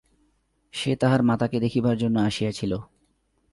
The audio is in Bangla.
সে তাহার মাতাকে দেখিবার জন্য আসিয়াছিল।